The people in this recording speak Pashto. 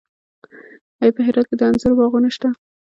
آیا په هرات کې د انځرو باغونه شته؟